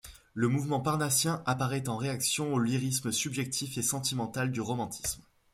Le mouvement parnassien apparaît en réaction au lyrisme subjectif et sentimental du romantisme.